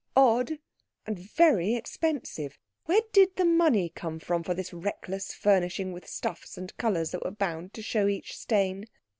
Odd, and very expensive. Where did the money come from for this reckless furnishing with stuffs and colours that were bound to show each stain?